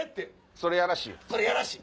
それやらしい。